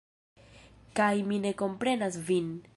Kaj mi ne komprenas vin.